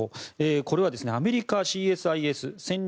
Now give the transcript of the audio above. これはアメリカＣＳＩＳ・戦略